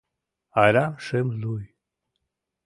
Арам шым лӱй!»